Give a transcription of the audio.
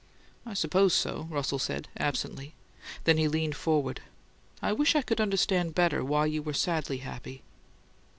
"I suppose so," Russell said, absently; then he leaned forward. "I wish I could understand better why you were 'sadly' happy."